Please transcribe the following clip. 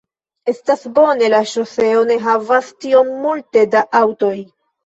Estas bone, la ŝoseo ne havas tiom multe da aŭtoj